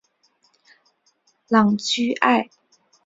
朗屈艾。